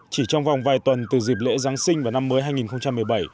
chỉ trong vòng vài tuần từ dịp lễ giáng sinh và năm mới hai nghìn một mươi bảy